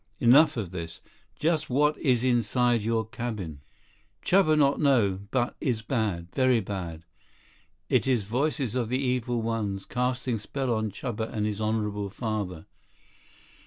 Enough of this. Just what is inside your cabin?" "Chuba not know. But is bad. Very bad. It is voices of the evil ones, casting spell on Chuba and his honorable father."